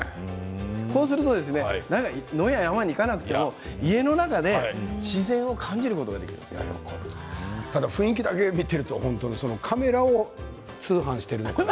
こうすると、野や山に行かなくても、家の中で雰囲気だけを見ているとカメラを通販しているような。